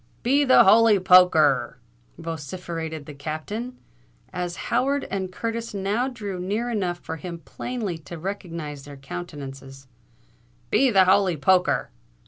"Be the holy poker r!" vociferated the Captain, as Howard and Curtis now drew near enough for him plainly to recognise their countenances: "be the holy poker!"